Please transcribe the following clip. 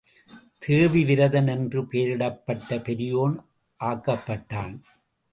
தேவ விரதன் என்று பெயரிடப்பட்டுப் பெரியோன் ஆக்கப்பட்டான்.